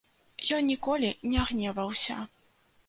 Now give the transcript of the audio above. Ён ніколі не гневаўся.